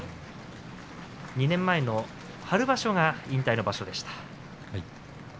２年前の春場所が引退の場所でした。